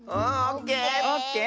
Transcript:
オッケー。